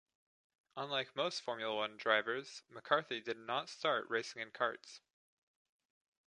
Unlike most Formula One drivers, McCarthy did not start racing in karts.